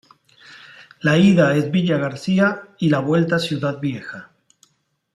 La ida es Villa García y la vuelta Ciudad Vieja.